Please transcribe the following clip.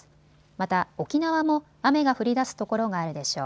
また沖縄も雨が降りだすところがあるでしょう。